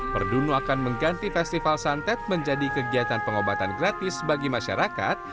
perdunu akan mengganti festival santet menjadi kegiatan pengobatan gratis bagi masyarakat